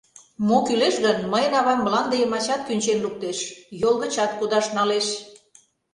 — Мо кӱлеш гын, мыйын авам мланде йымачат кӱнчен луктеш, йол гычат кудаш налеш.